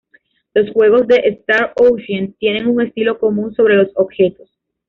Los juegos de "Star Ocean" tienen un estilo común sobre los objetos.